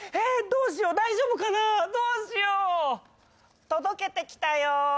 どうしよう大丈夫かなどうしよう「届けてきたよ」